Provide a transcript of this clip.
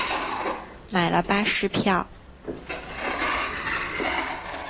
买了巴士票